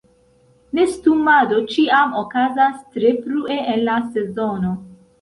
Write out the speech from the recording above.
Nestumado ĉiam okazas tre frue en la sezono.